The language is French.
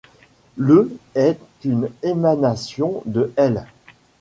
Le est une émanation de l’.